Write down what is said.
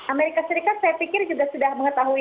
amerika serikat saya pikir juga sudah mengetahui